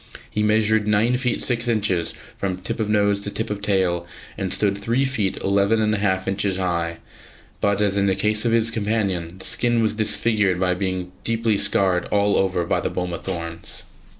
He measured nine feet six inches from tip of nose to tip of tail, and stood three feet eleven and a half inches high; but, as in the case of his companion, the skin was disfigured by being deeply scored all over by the boma thorns.